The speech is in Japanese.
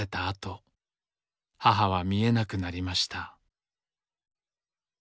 あと母は見えなくなりました。